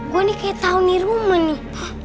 gue nih kayak tau nih rumah nih